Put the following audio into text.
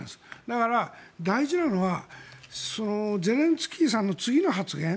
だから、大事なのはゼレンスキーさんの次の発言